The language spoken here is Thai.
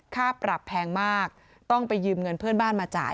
ค่าปรับแพงมากต้องไปยืมเงินเพื่อนบ้านมาจ่าย